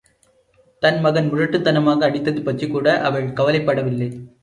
தன் மகன் முரட்டுத்தனமாக அடித்தது பற்றிக்கூட, அவள் கவலைப்படவில்லை.